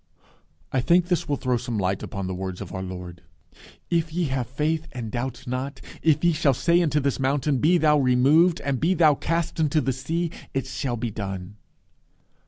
I think this will throw some light upon the words of our Lord, "If ye have faith and doubt not, if ye shall say unto this mountain, Be thou removed, and be thou cast into the sea; it shall be done."